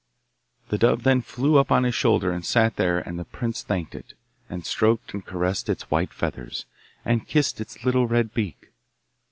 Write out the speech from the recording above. The dove then flew up on his shoulder and sat there and the prince thanked it, and stroked and caressed its white feathers, and kissed its little red beak.